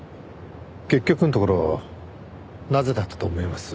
結局のところなぜだったと思います？